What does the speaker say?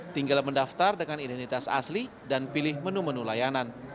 tinggal mendaftar dengan identitas asli dan pilih menu menu layanan